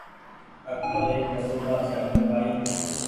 اڪبر ايڪ موٽو بآڇآ هيتو ڪآئي